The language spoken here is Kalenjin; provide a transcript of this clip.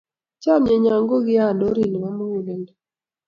Chamnyenyo ko kiande orit nebo muguleldo